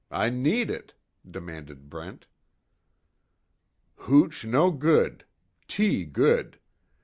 I need it," demanded Brent. "Hooch no good. Tea good.